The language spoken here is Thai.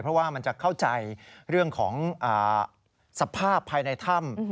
เพราะว่ามันจะเข้าใจเรื่องของสภาพภายในถ้ำ